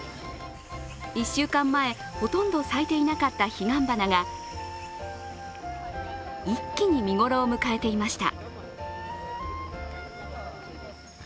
１週間前、ほとんど咲いていなかった彼岸花が一気に見頃を迎えていました。